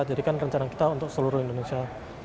jadi kan rencana kita untuk seluruh indonesia